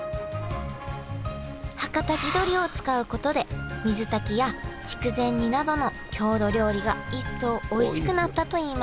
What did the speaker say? はかた地どりを使うことで水炊きや筑前煮などの郷土料理が一層おいしくなったといいます。